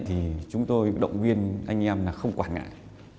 thì chúng tôi động viên anh em là không quản ngại